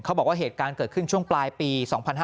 บอกว่าเหตุการณ์เกิดขึ้นช่วงปลายปี๒๕๕๙